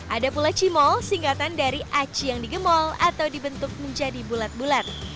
ada pula cimol singkatan dari aci yang digemol atau dibentuk menjadi bulat bulat